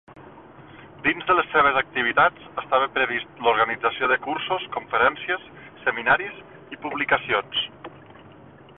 Dins de les seves activitats estava previst l'organització de cursos, conferències, seminaris i publicacions.